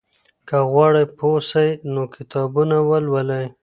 که غواړئ پوه سئ نو کتابونه ولولئ.